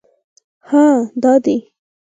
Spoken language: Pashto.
_هه! دا دی!